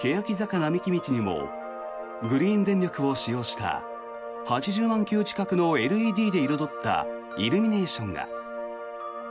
並木道にもグリーン電力を使用した８０万球近くのＬＥＤで彩ったイルミネーションが。